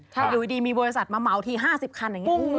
อยู่ดีมีบริษัทมาเมาท์ที๕๐คัน